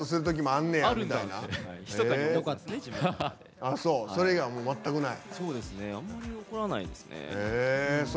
あんまり怒らないですね。